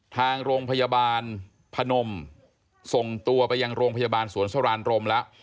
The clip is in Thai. ทางโรงพยาบาลพนมส่งตัวไปยังโรงพยาบาลสวนสรานรมแล้ว